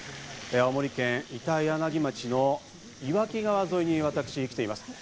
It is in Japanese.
青森県板柳町の岩木川沿いに私、来ています。